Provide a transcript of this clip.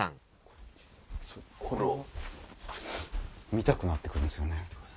見たくなって来るんすよね。